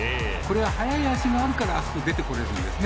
早い脚があるからあそこに出てこれるんですね。